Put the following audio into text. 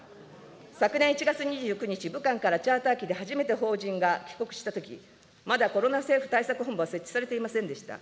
昨年１月２９日、武漢からチャーター機で初めて邦人が帰国したとき、まだコロナ政府対策本部は設置されていませんでした。